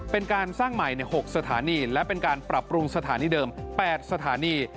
เป็นการสร้างใหม่ใน๖สถานีและเป็นการปรับปรุงสถานีเดิม๘สถานี